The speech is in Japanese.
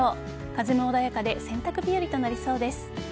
風も穏やかで洗濯日和となりそうです。